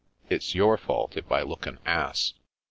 "It's your fault if I look an ass."